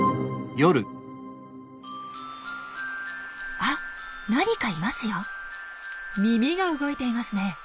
あ何かいますよ。耳が動いていますね。